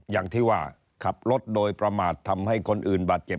อย่างที่ว่าขับรถโดยประมาททำให้คนอื่นบาดเจ็บ